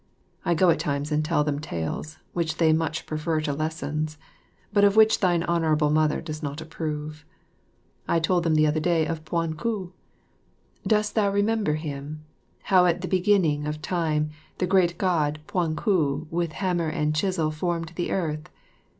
I go at times and tell them tales which they much prefer to lessons, but of which thine Honourable Mother does not approve. I told them the other day of Pwan ku. Dost thou remember him? How at the beginning of Time the great God Pwan ku with hammer and chisel formed the earth.